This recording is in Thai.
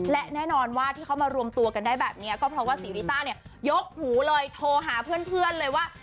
และแน่นอนว่าที่เขามารวมตัวกันได้แบบนี้ก็เพราะว่าศรีริต้าเนี่ยยกหูเลยโทรหาเพื่อนเลยว่า